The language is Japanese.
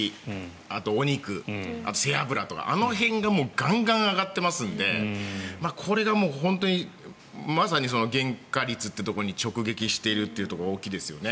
あとお肉、背脂とかあの辺がガンガン上がっていますのでこれが本当にまさに原価率というところに直撃しているというところが大きいですよね。